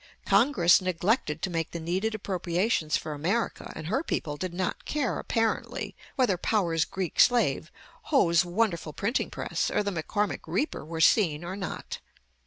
Congress neglected to make the needed appropriations for America; and her people did not care, apparently, whether Powers' Greek Slave, Hoe's wonderful printing press, or the McCormick Reaper were seen or not.